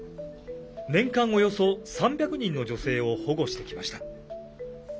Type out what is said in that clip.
年間およそ３００人の女性を保護してきました。